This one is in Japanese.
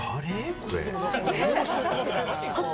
これ。